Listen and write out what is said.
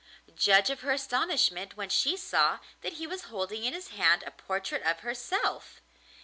Judge of her astonishment when she saw that he was holding in his hand a portrait of herself!